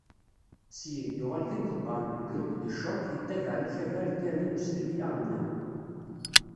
Syin, yuɣal d imḍebber n "Le groupe de choc" yettabaɛen akabar n Tirni n uslelli aɣelnaw.